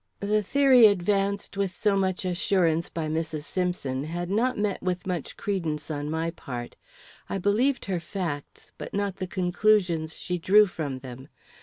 The theory advanced with so much assurance by Mrs. Simpson had not met with much credence on my part. I believed her facts, but not the conclusions she drew from them.